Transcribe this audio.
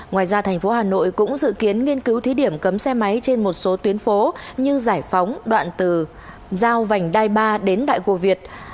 ngoài ra thành phố hà nội cũng dự kiến nghiên cứu thí điểm cấm xe máy trên một số tuyến phố như giải phóng đoạn từ giao vành đai ba đến đại hồ việt